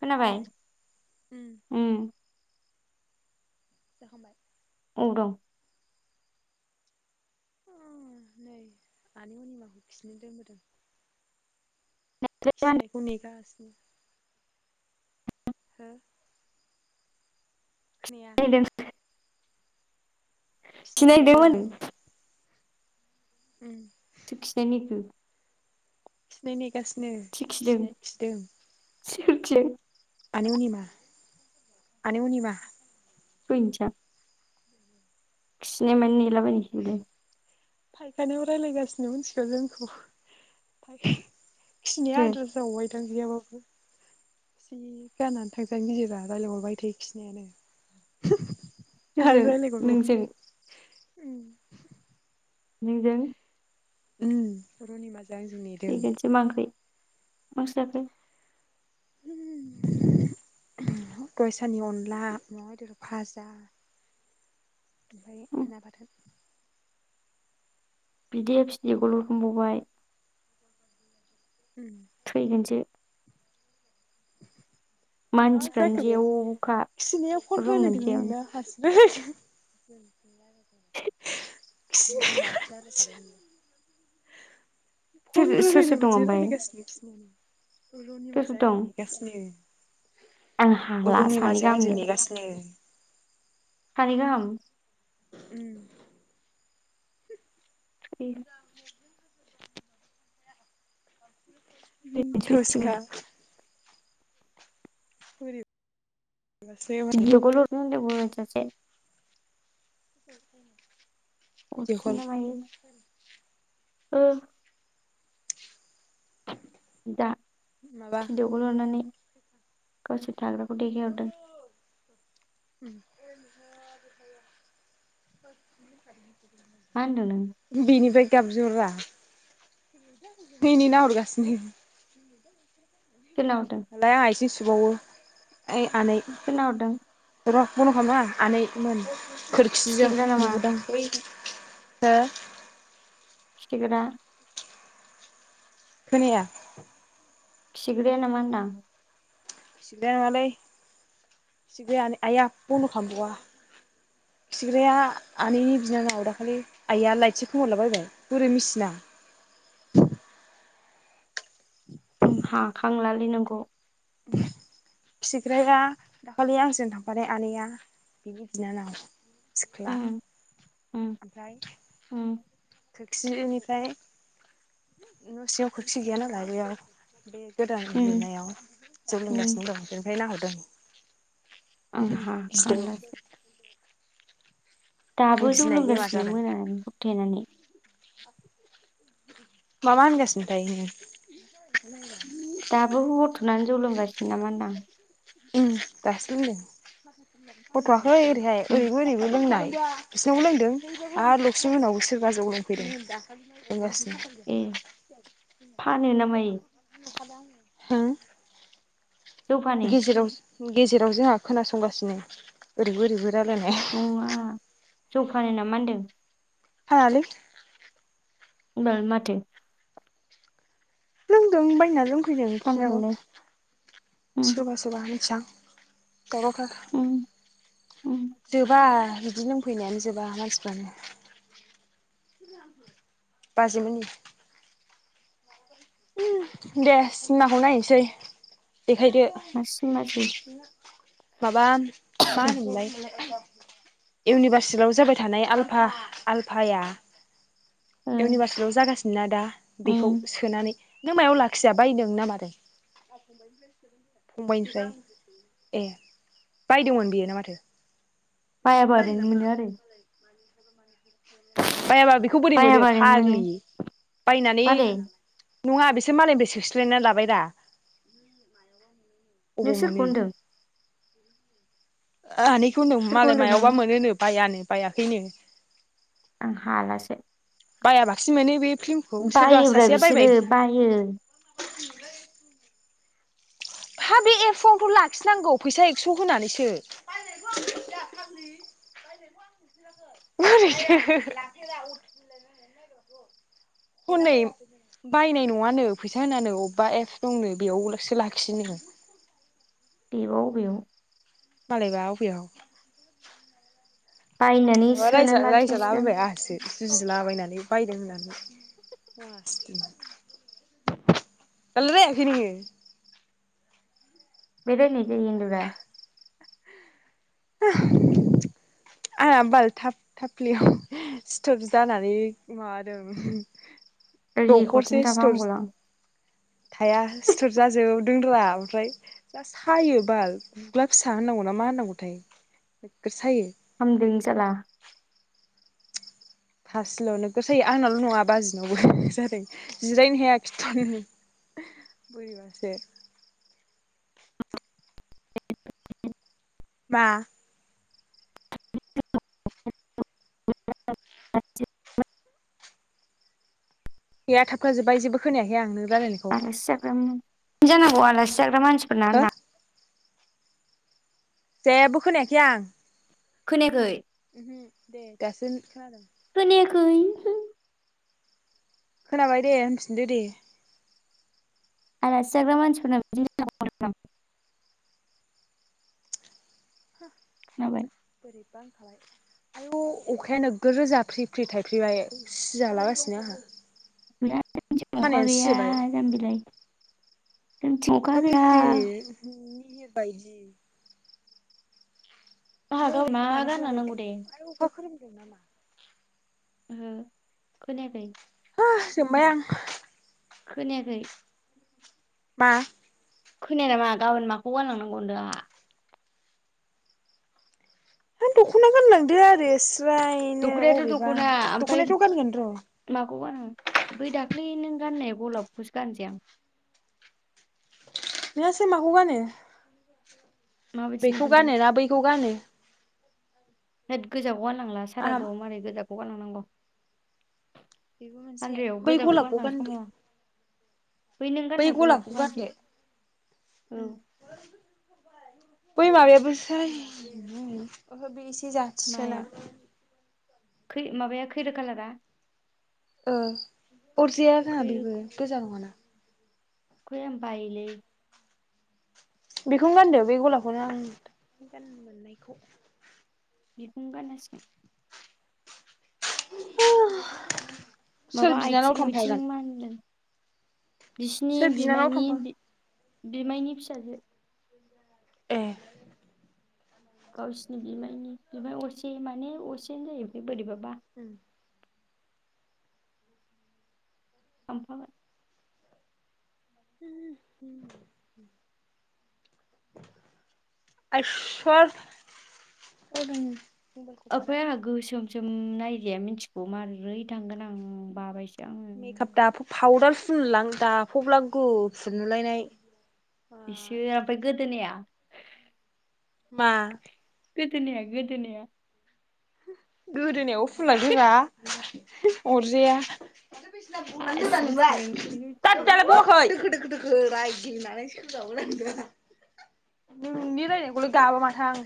खोनाबाय? उम उम जाखांबाय? अबाव‌दं? नै आनि अनिमाखौ खिनो दोनबोदों खिनायदों फिनायखौ नेगासिनो‌ हो नैया [unintelligible] खिनाय नेदों [unintelligible] उम खिनायनि खिनाय खिखिदों नेगासिनोनाय खिदों। सोर खि आनै अनिमा आनै अनिमा। ओइ जा खिनाय मान नेलाबायबेलाय। फायखानिाव रायज्लायगासिनो मिथिगौ जोंखौ फाय खनि सोर आदारा जावबायदां गैयाबाबो। जि गाननानै थांजानो गेजिरा रायज्लायहरबाय थायो खिनाया। सोरजों नोंजों? नोंजों? उम र'निमाजों आंजों ने फैगोनसै मा खै मा ओंख्रि जाखो? दहाय सानि अनला अमा बेदर फाजा ओमफ्राय उम नाबाथोन। बिद फिनिखौल' होनबावबाय। उम। थैगोनसो। मा मानसिफ्रानो जाखो जेवखा बिनाया फन रुम रायनायदों मोनसेयावनो नना हारसिबाय गिनाय मानसिया। फन सोर सोर सोर दं रायलायनोबोदि ओमफ्राय रायलायगासिनो गिनाय सोर सोर रनिमाजों दं आंजों नेगासिनो। आं [unintelligible] हाला सानै आंजो गाहामनिफ्राय नेगासिनो खारिगाम उम [unintelligible] मिनथावसोखा। बोरैबासो माने दिनलिअ ग'रद उंदोंमोन सासे [inaudible] भिडिअ' कल खफसिनना हायो। ओ। दा माबा बलहरनानै गावसोर थाग्राखौ देखायहरदों। उम। [inaudible] मा होनदों नों? बेनिफ्राय गाबजिहररा इनि नाहरगासिनो। खेलावदों। लाय आइसि सुबावो ओइ आनै खोनावदों र' बनद' खामनांआ आनैमोन खोरखिजों खिथिग्रा नामा नुबोदों हो। खिथिग्रा खोनाया। खिग्राया नामा दां? खिग्राया नङालै खिग्राया आनै आया बनद' खालामबावा। खिग्राया आनैनि बिनानाव दाखालि आइआ लाइटसो खोमोरलाबायबाय बोरो मिसिना? आं हाखांलालै नोंखौ। खिग्राया दाखालि आंजों थांफानाय आनैया बिनि बिनानाव सिख्ला उम उम आमफ्राय उम खोरखिनिफ्राय न' सिङाव खोरखि गैयानालाय बेयाव बे गोदान उम लुनायाव जौ उम लोंगासिनो दं बेनिफ्रायनो आं नाहरदों गिदों हाखांलासो दाबो जौ गिनाय बेमार लोंगासिनो जादों मोनानानै होबथेनानै। मा मा होनगासिनोथाय नोङो? [unintelligible] दाबो हथ'नानै जौ लोंगासिनो नामा होनदां। ओं दासो लोंदों हरथौआखै ओरैहाय उम ओरैबो ओरैबो लोंनाय। बिसिनावबो लोंदों आर लक्समि मोननावबो सोरबा जौ लोंफैदों लोंगासिनो। ए फानो ना मायो? हो? जौ फानो गेराव गेजेराव जोंहा खोनासंगासिनो ओरैबो ओरैबो रायलायनाय। नङा जौ फानो नामा होनदों? फानालै होमबालाय माथो? लोंदों बायना लोंफैदों खिनाव फानोबालाय उम सोरबास [unintelligible] मिनथिआं दावरावथार। उम उम जोबा बिदि लोंफैनायानो जोबा मानसिफ्रानो बास मोनि दे सिनमाखौ नायनोसै देखायदो। मासे मासे माबा मा होनोमोनलाय। इउनिभारसिभाव जाबाय थानाय आल्फा आल्फाया ओ इउनिभार्सिलिआव जागासिनो ना दा बेखौ उम सोनानै नों मायाव लाखिया बायदों ना मादों? फंबायनिफ्राय ए बायदोंमोन बेयो ना माथो? बायााबा ओरैनो मोनो आरो बायाबा बेखौ बोरै मोनो बायाबा ओरैनो मोनो फाग्लि बायनानै मारै नङा बिसोर मालायनि बे ससायना लाबाय दा अबाव नोंसोरखौ मोनो होनदों। आनैखौ नों सोरखौ मालाय होनदों नों मायावबा मोनोनो बायानो बायाखैनो आं हालासे। बायाबासिन मोनो बे फिल्म बायोब्रा बिसोरो बायो। हा बे एफ्स नोथ लाखिनांगौ फैसा एक्स' होनानैसो। [unintelligible] हनै बायनाय नङानो फैसा होनानो अबेबा एपस दंनो बेयावसो लाखियोनो। बेबा अबेयाव। मालायबा अबेयाव। बायनानै अ रायजा सोनानै लाखिनायसैदां रायजालाबायबाय आंहासो। जुजिलाबायनानै बायदों होननानै लासिदि [unintelligible] [unintelligible] [inaudible] आ बाल थाब थाबलियाव सिथोब जानानै माबादों ओरै गरसेनो दखरसे थाफा स्टर हामगौलां हाया सिथुर जाजोबोदोंद्रा ओमफ्राय दा सायो बाल गु्ला फिसा होननांगौ ना मा होनांगौथाय नोगगोर सायो। हामदनो सालला। फार्स्टल' नोगोर सायो आंनाल' नङा बाजिनावबो जादों। जिरायनो हाया खिथु'नो बोरैबासो। मा। गैया थाबखाजोब्बाय जेबो खोनायाखै आं नों रालायना आलासि जाग्रा जानांगौ आलासि जाग्रा मानसिफोरना हो होनदां। जेबो खोनायाखै आं। खोनायाखै। दे दासो खादों। खोनायाखै। खोनाबाय दे होनफिनदो दे। आलासिाग्र मानसिफोरनाव बिदि [unintelligible] [unintelligible] खोनाबाय। [unintelligible] अखाया नोगो रो जााफ्रि फ्रि थाइफ्रिबाय सि जालागासिनो आंहा। खानायानो सिजोबबाय [unintelligible] जोंनिथिं अखा फ्रि गैया। फ्रि [unintelligible] ओमफ्राय आंहा मा ओरैहाय मानो गानलांनांगौ हालाबायखो दे [unintelligible] ओहो खोनायाखै हो जोंबाय आं खोनायाखै। मा? खोनाया नामा गाबोन माखौ गारलांनांगौ होनदों आंहा हा दख'ना गानलांदो आरो स्रायनो दख'नायाथ' अबेबा दख'ना ओमफ्राय दख'नााथ' गानगोन र'। माखौ गानो बै दाख्लै नों गाननाया गलाबखौसो गाननोसै आं नोंहासो माखौ गानो ने माबायदि बेखौ नुगोनथाय गानोना बैखौ गानो होद गोजाखौ गाननांला आंहा सारद' आव माबारै गोजाखौ गानलांनांगौ बेबो मोनसे हानदायाव बै गोजाखौ गलाबखौ गाननानै गानदो समाया नों बै गाननाय गलाबखौ गानसै गानदो औ बै माबायाबोसो बे एसे ज सोना माया खै माबाया खैरो कालारा अरजाया जोंहा बेबो खैरोखौहाय गोजा नङाना खै आं बायोलै बेखौनो गानदो बे गलाबखौनो आं गान मोननायखौ बेखौनो गाननांसिगोन सोर माबा बिनानाव आइथिं उइथिं थांफागोन मा होनदों बिसिनि सोर बिनानाव थांफा बिनि बिमायनि फिसाजो ए गावसिनि बिमायनि बिमाय असे माने असेनो जायो ओमफ्राय बोरैबाबा उम [unintelligible] [inaudible] सर [unintelligible] ओमफ्राय आंहा गोसोम सोम नायजाया मिथिगौ माबोरै थांगोन आं बाबायसै मेकाप दाफ फाउदार फुनलां दाफबलां गुफुर नुलायनाय इसे ओमफ्राय गोदोनाया मा गोदोनाया गोदोनाया गोदोनायाव फुना रोङा अरजायाजां [unintelligible] हा सिं सिं ओंखारो बिसोरो। नोंलाय बोराय गेलेनानै सोजावोनांदो नोंनि रायनायखौल' गाबा माथो आं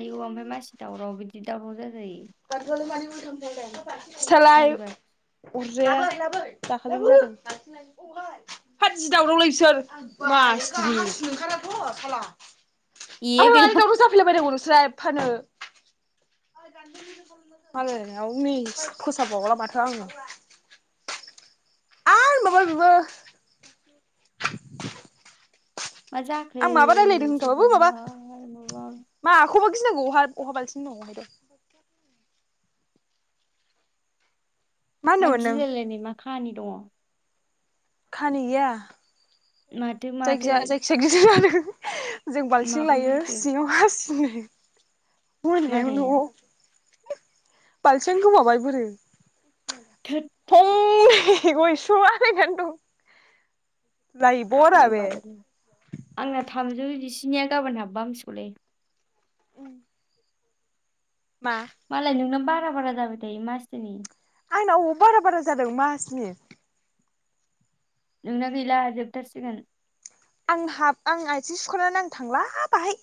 आयौ ओमफ्राय मानसि दावराव बिदि दावराव जाजायो सालायो आंनिबा उरजाया दाखा [unintelligible] फादज दावदावलै बिसोर मंखाराथ' [unintelligible] ए ओमफ्राय मानि गैला दावराव जाफैलायबायायनांगौ नोंसोरा एफानो गाननो [unintelligible] मालायाव नै फोसाबावला माथो आङो आर माबा बेबो माजाखो आं माबा रायलायदों एथ होनखाबाबो माबा दावरावलाय [unintelligible] मा होनदोंमोन नों गिलायलायनाय मा खाहानि दङ खानो गैया माथो माथो जायखिजाया जायखिजाया गिजिरानो जों बाल्थिं माखौ लायो गिखो सिङाव हा सिनो मोनायाव मारै न' बालथिं गोमाबाय बोरो थ [unintelligible] [unintelligible] आंना थामजौ जिस्निया गाबोन हाबबा हामसिगोलै उ मालाय नोंनो बारा बारा जाबाय थायो मासथिनि आंनाव अबाव बारा बारा जादों मासनि नोंना गैला जोबथारसिगोन आं हाब आं आइथि स्कुलावनो आं थांला बाहाय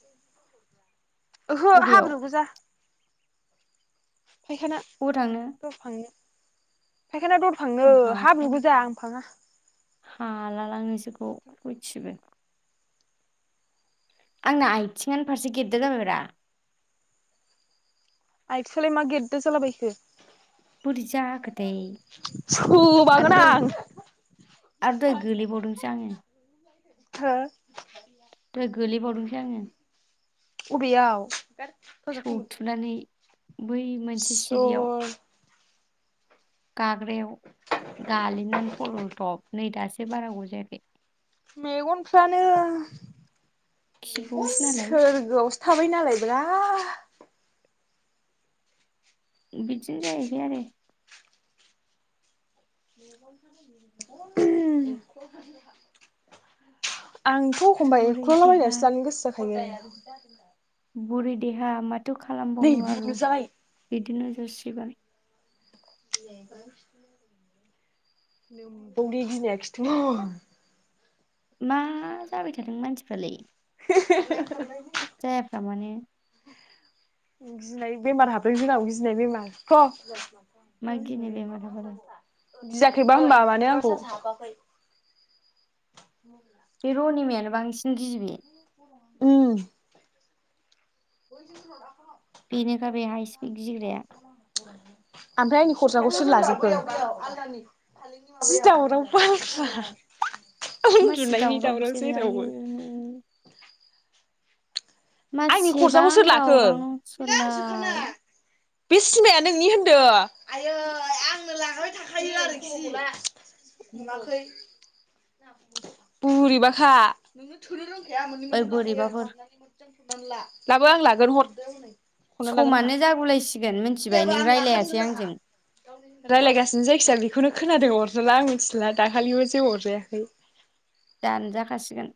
ओहो अबेयाव हाब्रु गोजा फायखाना अबाव थांनो दरफांनो फायखाना दरफांनो आं हाब्रु गोजा फाङा हाला लाांनिसोखौ होथिबो आं आइथिंगानफारसे गेट दामबा आइ फिसलाय मा गेरदो जालाबायखो बुरजााख दै सोबागोन आं आरो दह गोलैबावदोंसो आङो हो द गोलैबावदोंसै आङो उबैयाव बौ थुनानै स' गाग्रायाव गालिनानै थलथब नै दासो बारा ग जायाखै मेगनफ्रानो खिबौसो नालाय सोरगआव थाबाय नालाय बि्रा बिदिनो जाहैबाय आरो आंथ' एखमबा एख'लाबायायनानैसो लानो बुरै देहा गोसो जाखायो बुरि देहा माथो नै खालामबावनो आरो बुनो जाबाय बिदिनो जसिब [inaudible] [unintelligible] मा जाबाय थादों मानसिफ्रालाय ह जायफ्राामानि गिनाय बेमार हाबदों जोंनाव गिनाय बेमार मा गिनो बेमार हाबालाय बियाखैबा होनबा मानो आंखौ बे रनिमायानो बांसिन गिबि उ [inaudible] बेनोखा बे हाइ स्पिड गिग्राया ओमफ्राय आंनि खरसााखौसो लाजोबगो मासि दावराव बिसोरो [unintelligible] आयौ आंनि खरसाखौ मासेबां सोर लाखो दावराव आंसोखाना नंसोलाय बे सिनेमाया नोंनि होनदों आय आङ लाबाय थाखायो आरो बुरिबाखा ओइ बोरैबाफोर [unintelligible] लाबो आं लागोन हरदो हनै हरना लागोन आंहा समानो जागलायसिगोन मिथिबाय नों रायज्लायासै आंजों रायलायगासिनो जायखिजाया बेखौनो खोनादों अरजाला आं मिथिला दाखालिबो जेबो अरजायाखै। दानजाखासिगोन।